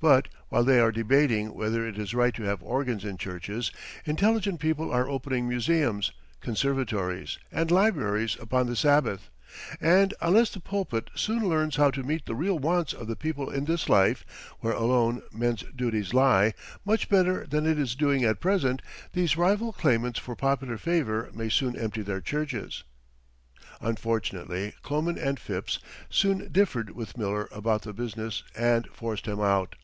But while they are debating whether it is right to have organs in churches, intelligent people are opening museums, conservatories, and libraries upon the Sabbath; and unless the pulpit soon learns how to meet the real wants of the people in this life (where alone men's duties lie) much better than it is doing at present, these rival claimants for popular favor may soon empty their churches. Unfortunately Kloman and Phipps soon differed with Miller about the business and forced him out.